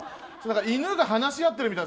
犬が話し合ってるみたいな。